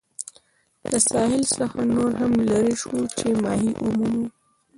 له ساحل څخه نور هم لیري شوو چې ماهي ومومو.